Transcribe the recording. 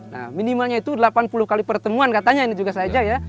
nah minimalnya itu delapan puluh kali pertemuan katanya ini juga saja ya